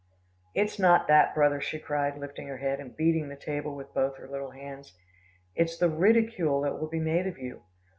"It's not that, brother," she cried, lifting her head, and beating the table with both her little hands. "It's the ridicule that will be made of you.